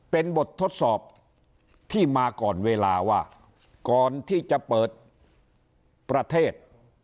เป็นบททดสอบที่มาก่อนเวลาว่าก่อนที่จะเปิดประเทศ